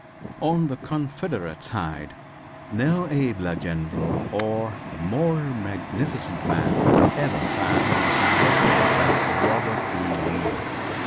On the Confederate side no abler general or more magnificent man, ever sat on a saddle than Robert E. Lee.